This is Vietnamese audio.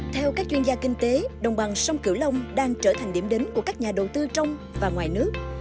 theo các chuyên gia kinh tế đồng bằng sông cửu long đang trở thành điểm đến của các nhà đầu tư trong và ngoài nước